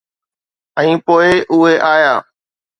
۽ پوء اهي آيا.